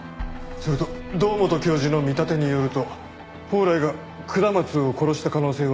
それと堂本教授の見立てによると宝来が下松を殺した可能性は極めて低いそうだ。